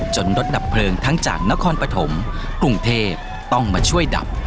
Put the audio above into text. รถดับเพลิงทั้งจากนครปฐมกรุงเทพต้องมาช่วยดับ